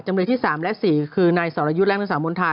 จำเลยที่๓และ๔คือในศาลยุทธ์และทางสาวมนธา